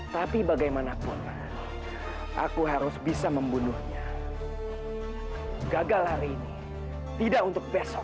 tapi bagaimanapun aku harus bisa membunuhnya gagal hari ini tidak untuk besok